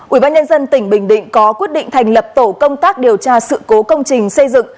ubnd tỉnh bình định có quyết định thành lập tổ công tác điều tra sự cố công trình xây dựng